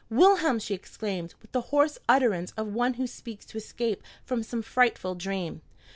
"Wilhelm!" she exclaimed, with the hoarse utterance of one who seeks to escape from some frightful dream.